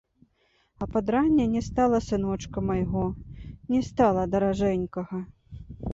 А пад ранне не стала сыночка майго, не стала даражэнькага.